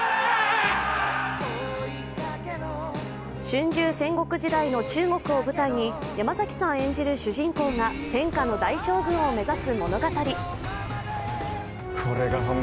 春秋戦国時代の中国を舞台に山崎さん演じる主人公が天下の大将軍を目指す物語。